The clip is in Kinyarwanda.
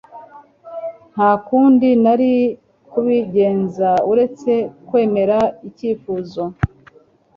Nta kundi nari kubigenza uretse kwemera icyifuzo